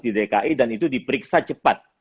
di dki dan itu diperiksa cepat